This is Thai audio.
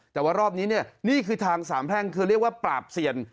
แต่ว่ารอบนี้เนี่ยนี่คือทางสามแพร่งคือเรียกว่าปราบเซียน